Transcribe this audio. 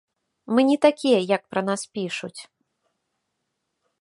Мы не такія, як пра нас пішуць.